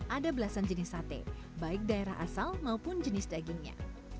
ada belasan jenis sate baik daerah asal maupun jenis dagingnya